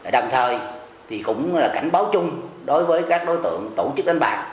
đồng thời cũng là cảnh báo chung đối với các đối tượng tổ chức đánh bạc